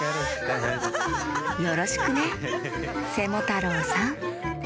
よろしくねセモタロウさん！